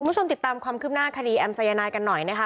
คุณผู้ชมติดตามความคืบหน้าคดีแอมสายนายกันหน่อยนะคะ